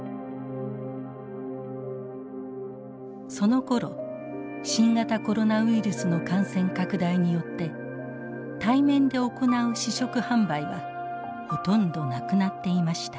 そのころ新型コロナウイルスの感染拡大によって対面で行う試食販売はほとんどなくなっていました。